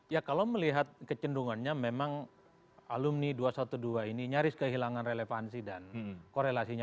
ya kalau melihat kecenderungannya memang alumni dua ratus dua belas ini nyaris kehilangan relevansi dan korelasinya